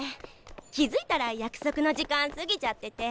気づいたら約束の時間過ぎちゃってて。